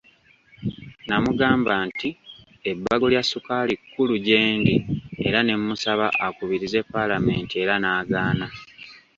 Namugamba nti ebbago lya Ssukaali kkulu gyendi era ne musaba akubirize paalamenti era n'agaana.